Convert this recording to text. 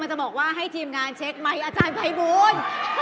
มาจะบอกว่าให้ทีมงานเช็คส์ไมค์อาจารย์ไภบุญ